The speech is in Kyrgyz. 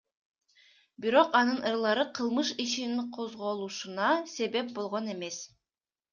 Бирок анын ырлары кылмыш ишинин козголушуна себеп болгон эмес.